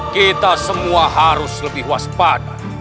kita semua harus lebih waspada